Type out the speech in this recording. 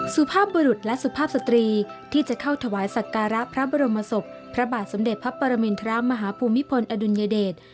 สุภาพบุรุษและสุภาพสตรีที่จะเข้าถวายสักการะพระบรมศพพระบาทสมเด็จพระปรมินทรมาฮภูมิพลอดุลยเดช